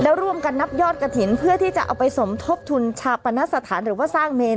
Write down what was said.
แล้วร่วมกันนับยอดกระถิ่นเพื่อที่จะเอาไปสมทบทุนชาปนสถานหรือว่าสร้างเมน